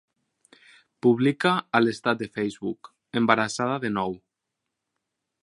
Publica a l'estat de Facebook "embarassada de nou".